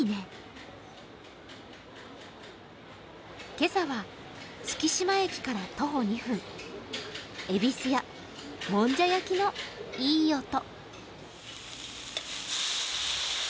今朝は、月島駅から徒歩２分えびすや、もんじゃ焼きのいい音。